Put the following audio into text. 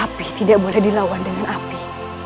api tidak boleh dilawan dengan api